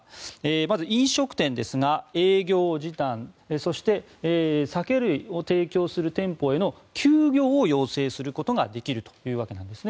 まず、飲食店ですが営業時短そして、酒類を提供する店舗への休業を要請することができるというわけなんですね。